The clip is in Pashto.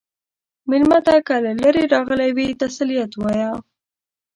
مېلمه ته که له لرې راغلی وي، تسلیت وایه.